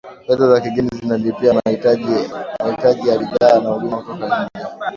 fedha za kigeni zinalipia mahitaji ya bidhaa na huduma kutoka nje